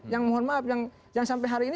yang mohon maaf yang sampai hari ini